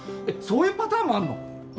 えっそういうパターンもあんの？